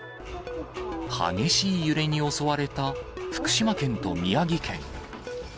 激しい揺れに襲われた、福島県と宮城県。